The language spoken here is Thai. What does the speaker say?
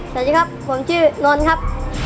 สวัสดีครับผมชื่อนนท์ครับ